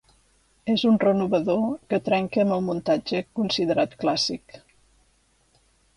És un renovador que trenca amb el muntatge considerat clàssic.